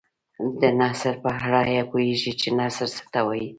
د نثر په اړه پوهیږئ چې نثر څه ته وايي.